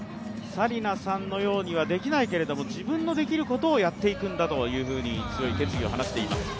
紗理那さんのようにはできないけれども、自分のできることをやっていくんだと強い決意を話しています。